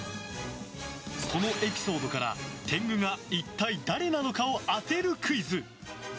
そのエピソードから天狗が一体誰なのかを当てるクイズ！